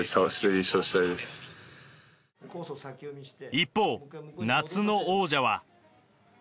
一方、夏の王者は。